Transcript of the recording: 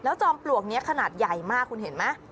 แล้วจอมปลวกเนี้ยขนาดใหญ่มากคุณเห็นไหมอ่า